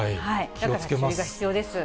だから注意が必要です。